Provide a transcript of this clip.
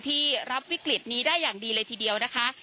ที่รับวิกฤตนี้ได้อย่างดีเลยทีเดียวนะคะ